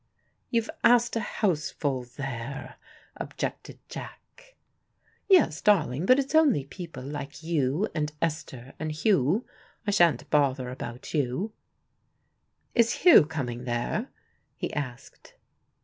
"You've asked a houseful there," objected Jack. "Yes, darling, but it's only people like you and Esther and Hugh. I shan't bother about you." "Is Hugh coming there?" he asked.